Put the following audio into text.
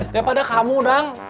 ya pada kamu dang